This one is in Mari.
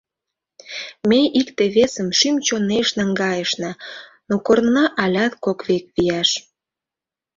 Ме икте-весым шӱм-чонеш наҥгайышна, Но корнына алят Кок век вияш.